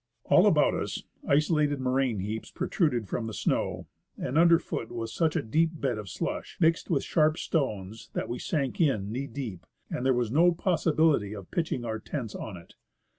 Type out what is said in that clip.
All about us, isolated moraine heaps protruded from the snow, and under foot was such a deep bed of slush, mixed with sharp stones, that we sank in knee deep, and there was no possibility of pitching our tents on it.